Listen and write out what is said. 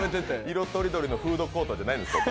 色とりどりのフードコートじゃないんですよ。